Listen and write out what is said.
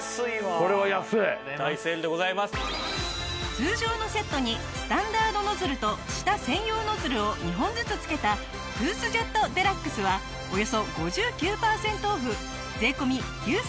通常のセットにスタンダードノズルと舌専用ノズルを２本ずつ付けたトゥースジェットＤＸはおよそ５９パーセントオフ税込９９８０円！